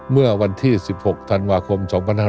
เมื่อวันที่๑๖ธันวาคม๒๕๖๒